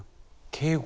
敬語。